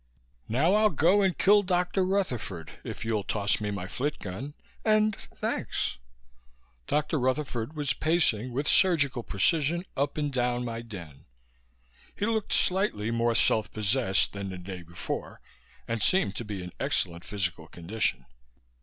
"Now I'll go and kill Dr. Rutherford, if you'll toss me my flit gun and, thanks!" Dr. Rutherford was pacing, with surgical precision, up and down my den. He looked slightly more self possessed than the day before and seemed to be in excellent physical condition.